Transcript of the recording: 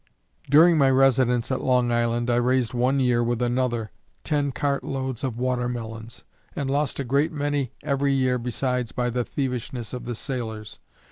During my residence at Long Island, I raised one year with another, ten cart loads of water melons, and lost a great many every year besides by the thievishness of the sailors.